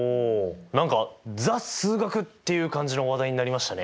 何か「ザ・数学」っていう感じの話題になりましたね！